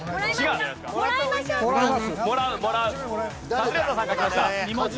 カズレーザーさん書きました。